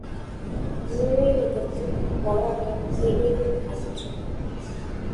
ஊழை எதிர்த்துப் போராடுதல் எளிது அன்று.